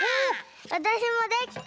わたしもできた！